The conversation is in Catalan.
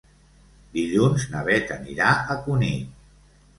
Dilluns na Beth anirà a Cunit.